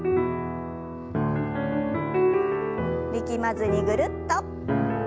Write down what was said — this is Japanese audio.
力まずにぐるっと。